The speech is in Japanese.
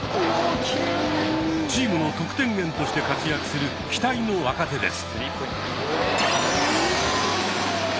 チームの得点源として活躍する期待の若手です。